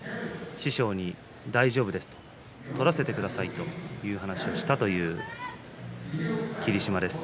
師匠に大丈夫です取らせてくださいという話をしたという霧島です。